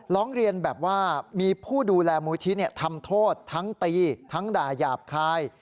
ร้องเรียนแบบว่ามีผู้ดูแลมูลที่ทำโทษทั้งตีทั้งด่าหยาบคาย